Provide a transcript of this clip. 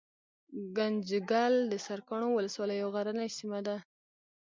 ګنجګل دسرکاڼو ولسوالۍ يو غرنۍ سيمه ده